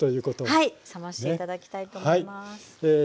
はい冷まして頂きたいと思います。